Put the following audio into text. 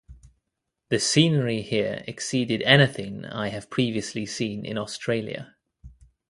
The scenery here exceeded anything I have previously seen in Australia.